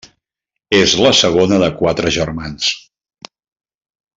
És la segona de quatre germans.